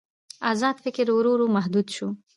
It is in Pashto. ازاد فکر ورو ورو محدود شو.